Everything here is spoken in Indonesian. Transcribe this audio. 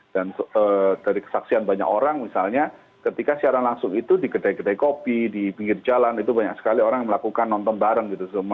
dan dari kesaksian banyak orang misalnya ketika siaran langsung itu di kedai kedai kopi di pinggir jalan itu banyak sekali orang yang melakukan nonton bareng gitu